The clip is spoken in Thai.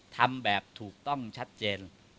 ทำแบบถูกต้องชัดเจน